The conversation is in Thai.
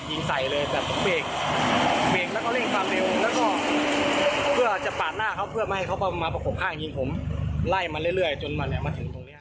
ผมไล่มาเรื่อยจนเรามาถึงตรงนี้